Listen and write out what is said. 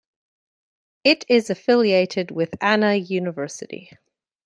It is affiliated with Anna University.